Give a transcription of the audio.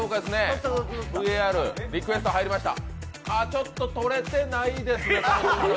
ちょっと取れてないですね。